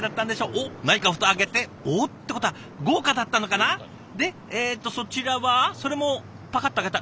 おっ何か蓋開けておっ？ってことは豪華だったのかな？でえっとそちらはそれもパカッと開けた。